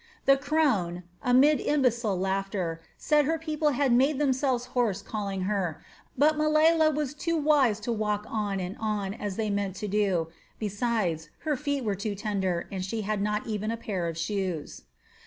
The crone, amid imbecile laughter, said her people had made themselves hoarse calling her, but Meliela was too wise to walk on and on as they meant to do; besides her feet were too tender, and she had not even a pair of shoes.